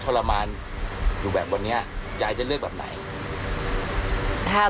ยายไม่ได้แจ้งนะ